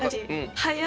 はい。